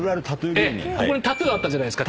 ここにタトゥーあったじゃないですか。